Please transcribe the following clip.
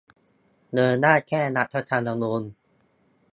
เดินหน้าแก้รัฐธรรมนูญ